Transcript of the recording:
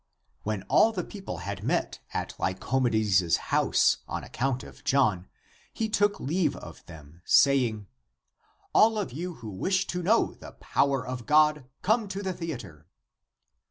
When all the people had met at Lycomedes' house on account of John, he took leave of them, saying, " All of you who wish to know the power of God, come to the theatre